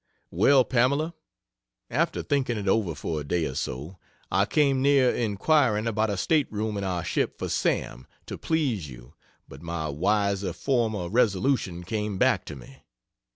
Well, Pamela, after thinking it over for a day or so, I came near inquiring about a state room in our ship for Sam, to please you, but my wiser former resolution came back to me.